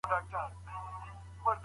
کابینه د نړیوالي محکمې پریکړه نه ردوي.